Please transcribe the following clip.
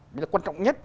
đó là quan trọng nhất